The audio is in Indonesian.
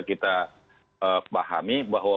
kita pahami bahwa